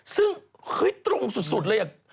ซึ่งคือตรงสุดเลย